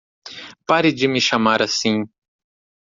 Pare de me chamar assim!